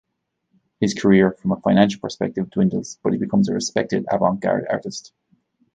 His career, from a financial perspective, dwindles, but he becomes a respected avant-garde artist.